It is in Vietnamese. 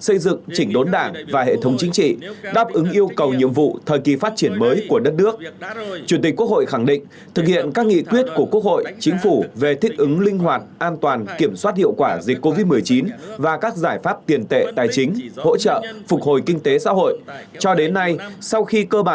xin chào các bạn